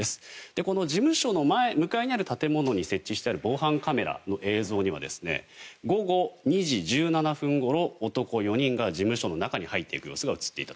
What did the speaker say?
この事務所の向かいにある建物に設置してある防犯カメラの映像には午後２時１７分ごろ男４人が事務所の中に入っていく様子が映っていた。